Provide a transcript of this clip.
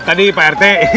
tadi pak rt